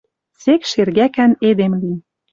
Сек шергӓкӓн эдем лин.